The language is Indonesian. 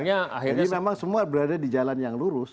jadi memang semua berada di jalan yang lurus